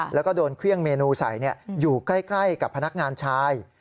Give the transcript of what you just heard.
แล้วก็โดนเครื่องเมนูใส่อยู่ใกล้กับพนักงานชาย